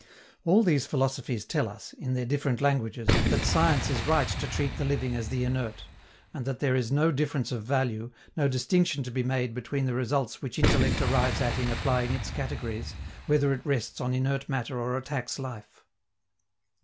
All these philosophies tell us, in their different languages, that science is right to treat the living as the inert, and that there is no difference of value, no distinction to be made between the results which intellect arrives at in applying its categories, whether it rests on inert matter or attacks life.